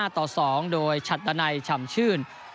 ต่อ๒โดยชัดดันัยฉ่ำชื่น